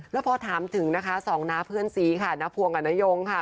แล้วพอถามถึงนะคะสองน้าเพื่อนซีค่ะน้าพวงกับนโยงค่ะ